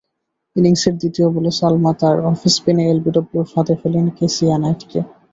ইনিংসের দ্বিতীয় বলে সালমা তাঁর অফস্পিনে এলবিডব্লুর ফাঁদে ফেলেন ক্যাসিয়া নাইটকে।